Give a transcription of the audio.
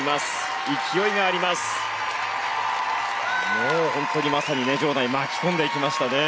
もう本当にまさにね場内を巻き込んでいきましたね。